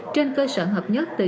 trên cơ sở hợp nhất từ